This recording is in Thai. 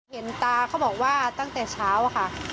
เห็นตาเขาบอกว่าตั้งแต่เช้าค่ะ